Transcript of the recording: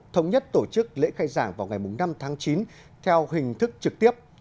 thống nhất tổ chức lễ khai giảng vào ngày năm tháng chín theo hình thức trực tiếp